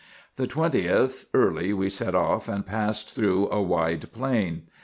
The 20th, early, we set off, and passed through a wide plain.